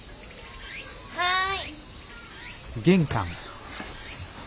はい。